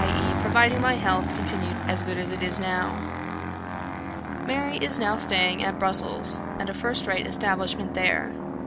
e., providing my health continued as good as it is now. Mary is now staying at Brussels, at a first rate establishment there.